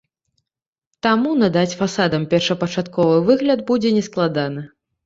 Таму надаць фасадам першапачатковы выгляд будзе нескладана.